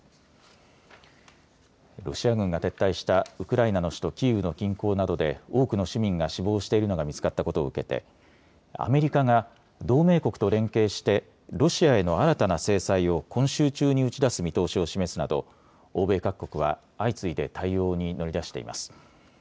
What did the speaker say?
ロシア軍が撤退したウクライナの首都キーウの近郊などで多くの市民が死亡しているのが見つかったことを受けてアメリカが同盟国と連携してロシアへの新たな制裁を今週中に打ち出す見通しを示すなど欧米各国は相次いで対応に乗り出しています。